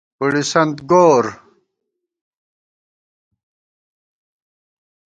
پُڑِسنت گور